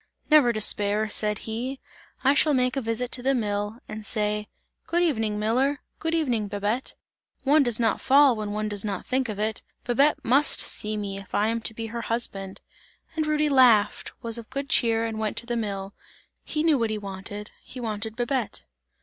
"Never despair," said he. "I shall make a visit to the mill, and say: Good evening miller, good evening Babette! One does not fall when one does not think of it! Babette must see me, if I am to be her husband!" And Rudy laughed, was of good cheer and went to the mill; he knew what he wanted, he wanted Babette.